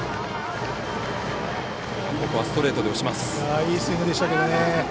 いいスイングでしたけどね。